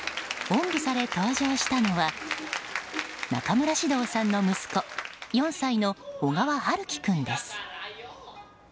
おんぶされ登場したのは中村獅童さんの息子４歳の息子、小川陽喜君です。